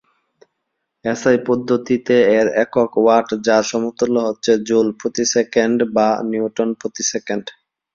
SI পদ্ধতিতে এর একক ওয়াট যার সমতুল্য হচ্ছে জুল প্রতি সেকেন্ড বা নিউটন মিটার প্রতি সেকেন্ড।